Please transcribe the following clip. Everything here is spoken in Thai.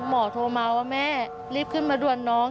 โทรมาว่าแม่รีบขึ้นมาด่วนน้อง